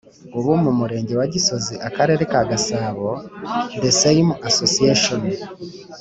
uba mu Murenge wa Gisozi Akarere ka Gasabo the same association